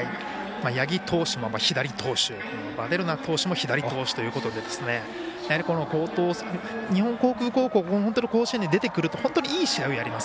八木投手も左投手ヴァデルナ投手も左投手ということでやはり、日本航空高校甲子園で出てくると本当にいい試合をやります。